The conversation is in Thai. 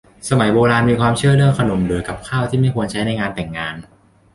สมัยโบราณมีความเชื่อเรื่องขนมหรือกับข้าวที่ไม่ควรใช้ในงานแต่งงาน